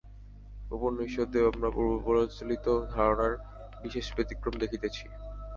উপনিষদে আমরা পূর্বপ্রচলিত ধারণার বিশেষ ব্যতিক্রম দেখিতেছি।